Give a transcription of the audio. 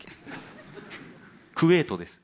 クウェートです。